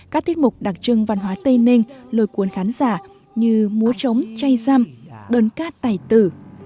các tiết mục đặc trưng văn hóa tây ninh lôi cuốn khán giả như múa trống chay răm đơn ca tài tử